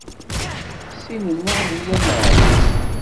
I sin-nneɣ nella neɛya.